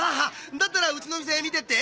だったらうちの店見てって。